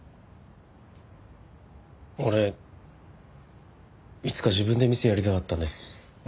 俺いつか自分で店やりたかったんです。